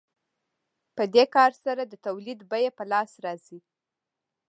په دې کار سره د تولید بیه په لاس راځي